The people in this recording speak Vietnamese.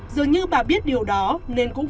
dường như bà biết điều đó nên cũng